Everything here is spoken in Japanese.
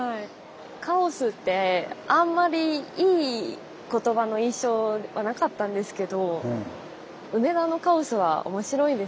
「カオス」ってあんまりいい言葉の印象はなかったんですけど梅田のカオスは面白いですね。